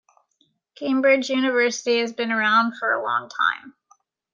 Cambridge university has been around for a long time.